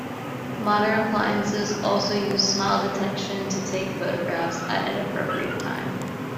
Modern appliances also use smile detection to take a photograph at an appropriate time.